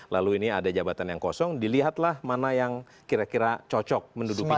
lalu ini ada jabatan yang kosong dilihatlah mana yang kira kira cocok menduduki jabatan